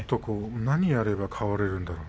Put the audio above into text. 何をやれば変われるんだろう